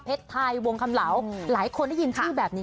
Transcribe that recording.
ไทยวงคำเหลาหลายคนได้ยินชื่อแบบนี้